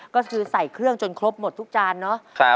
ก็คือใส่เครื่องจนครบหมดทุกจานเนาะ